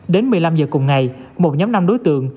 đến một mươi năm giờ cùng ngày một nhóm năm đối tượng